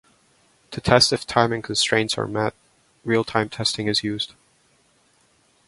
To test if timing constraints are met, real-time testing is used.